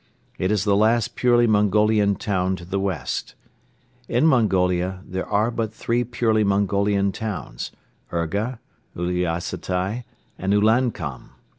It is the last purely Mongolian town to the west. In Mongolia there are but three purely Mongolian towns, Urga, Uliassutai and Ulankom.